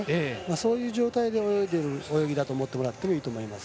そういう状態で泳いでいる泳ぎだと思ってもらってもいいと思います。